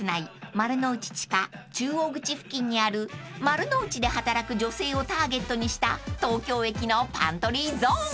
丸の内地下中央口付近にある丸の内で働く女性をターゲットにした東京駅のパントリーゾーン］